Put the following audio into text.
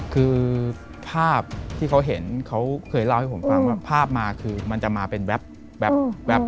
คือภาพที่เขาเห็นเขาเคยเล่าให้ผมฟังว่าภาพมาคือมันจะมาเป็นแว๊บ